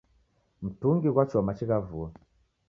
Mtungi ghwachua machi gha vua